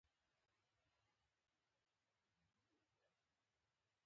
هرات د افغانستان د صادراتو یوه برخه ده.